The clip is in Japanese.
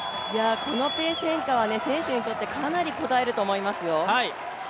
このペース転換は、かなり選手にとってこたえると思いますよ。